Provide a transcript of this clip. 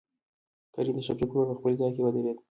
کريم دشفيق ورور په خپل ځاى کې ودرېد.